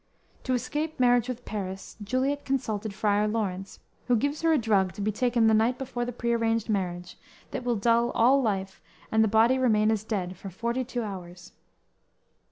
To escape marriage with Paris, Juliet consulted Friar Laurence, who gives her a drug to be taken the night before the prearranged marriage, that will dull all life and the body remain as dead for forty two hours.